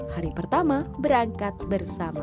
hari pertama berangkat bersama